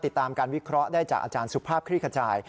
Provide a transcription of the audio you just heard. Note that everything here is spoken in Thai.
ติดตามการวิเคราะห์ได้จากอาจารย์สุภาพคลี่ขจาย